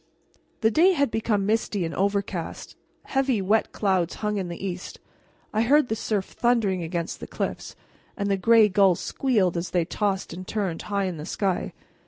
The day had become misty and overcast. Heavy, wet clouds hung in the east. I heard the surf thundering against the cliffs, and the gray gulls squealed as they tossed and turned high in the sky.